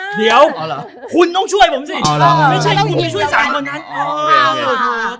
ทำไมใส่เสื้อผมอยู่คนเดียว